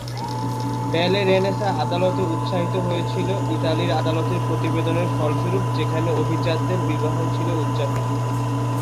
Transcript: ব্যালে রেনেসাঁ আদালতে উত্সাহিত হয়েছিল ইতালির আদালতের প্রতিবেদনের ফলস্বরূপ যেখানে অভিজাতদের বিবাহ ছিলো উদযাপিত।